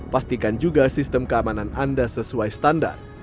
pastikan juga sistem keamanan anda sesuai standar